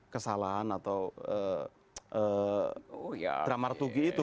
kesalahan atau drama retugi itu